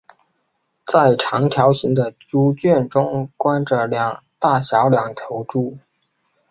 在长条形的猪圈中关着大小两头猪。